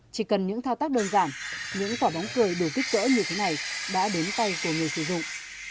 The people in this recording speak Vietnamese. chỉ cần những thao tác đơn giản những quả bóng cười đủ kích cỡ như thế này đã đến tay của người sử dụng